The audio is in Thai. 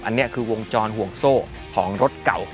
อันนี้คือวงจรห่วงโซ่ของรถเก่า